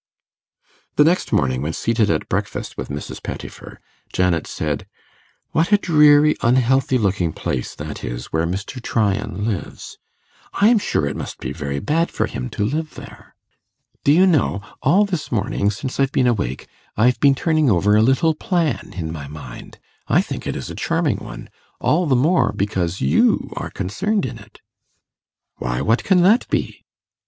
The next morning, when seated at breakfast with Mrs. Pettifer, Janet said, 'What a dreary unhealthy looking place that is where Mr. Tryan lives! I'm sure it must be very bad for him to live there. Do you know, all this morning, since I've been awake, I've been turning over a little plan in my mind. I think it a charming one all the more, because you are concerned in it.' 'Why, what can that be?